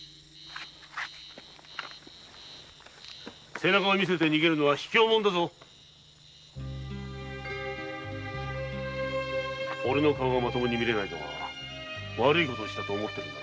背中を見せて逃げるのはひきょう者だぞおれの顔がまともに見られないのは悪いことをしたと思って。